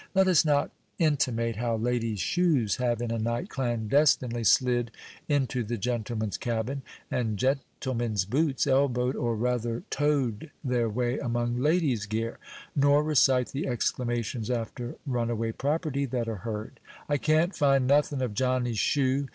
Let us not intimate how ladies' shoes have, in a night, clandestinely slid into the gentlemen's cabin, and gentlemen's boots elbowed, or, rather, toed their way among ladies' gear, nor recite the exclamations after runaway property that are heard. "I can't find nothin' of Johnny's shoe!"